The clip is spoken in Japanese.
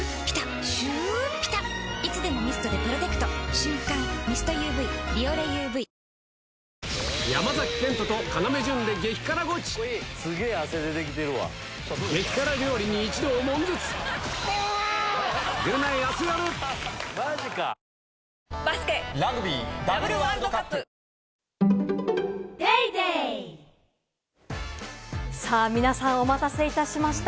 瞬感ミストＵＶ「ビオレＵＶ」さあ、皆さん、お待たせいたしました。